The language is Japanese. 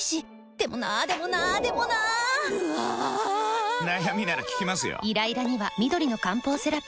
でもなーでもなーでもなーぬあぁぁぁー！！！悩みなら聞きますよ。